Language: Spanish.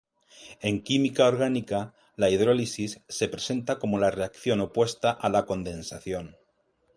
En química orgánica, la hidrólisis se presenta como la reacción opuesta a la condensación.